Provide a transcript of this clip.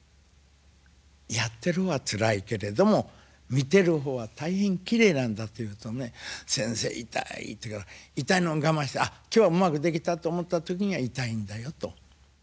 「やってる方はつらいけれども見てる方は大変きれいなんだ」と言うとね「先生痛い」と言うから「痛いのを我慢してあっ今日はうまくできたと思った時には痛いんだよ」と。